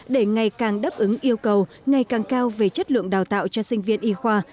để ngày càng đáp ứng yêu cầu ngày càng cao về chất lượng đào tạo cho sinh viên y khoa